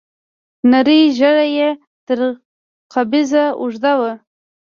نرۍ ږيره يې تر قبضه اوږده وه.